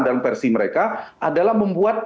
dan versi mereka adalah membuat